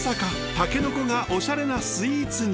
タケノコがおしゃれなスイーツに！